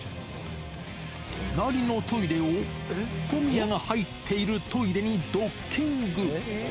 隣のトイレを、小宮が入っているトイレにドッキング。